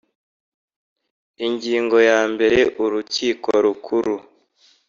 Ingingo ya mbere Urukiko Rukuru